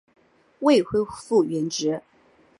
未恢复原职